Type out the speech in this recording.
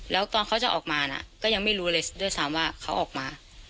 แล้วตอนเขาจะออกมานะก็ยังไม่รู้เลยด้วยซ้ำว่าเขาออกมา